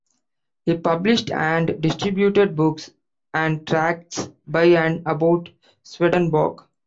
He published and distributed books and tracts by and about Swedenborg.